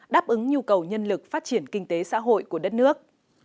đáp ứng nhu cầu nhân lực phát triển kinh tế xã hội của đất nước